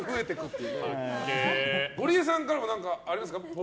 ゴリエさんからもありますか？